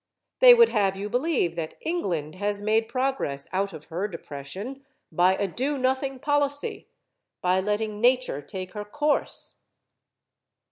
They would have you believe that England has made progress out of her depression by a do nothing policy, by letting nature take her course.